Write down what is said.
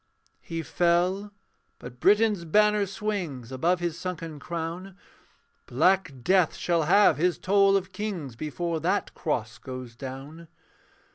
He fell: but Britain's banner swings Above his sunken crown. Black death shall have his toll of kings Before that cross goes down.